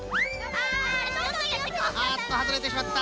ああっとはずれてしまった。